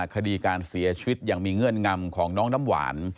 คดีการเสียชีวิตอย่างมีเงื่อนงำของน้องน้ำหวาน